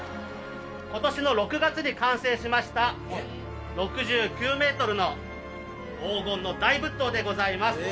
今年の６月に完成しました６９ｍの黄金の大仏像でございます